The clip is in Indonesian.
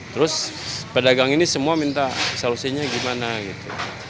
terus pedagang ini semua minta solusinya gimana gitu